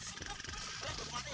serangin aku mas